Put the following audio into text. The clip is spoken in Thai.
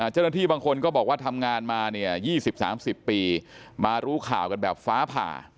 เจ้าหน้าที่บางคนก็บอกว่าทำงานมาเนี่ย๒๐๓๐ปีมารู้ข่าวกันแบบฟ้าผ่า